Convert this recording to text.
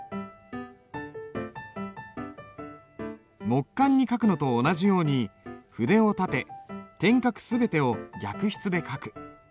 木簡に書くのと同じように筆を立て点画すべてを逆筆で書く。